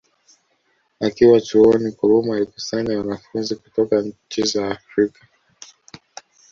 Akiwa Chuoni Nkrumah alikusanya wanafunzi kutoka nchi za Afrika